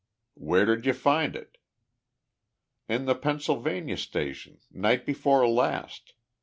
"Where did you find it?" "In the Pennsylvania station, night before last.